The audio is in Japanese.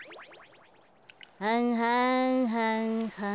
はんはんはんはん。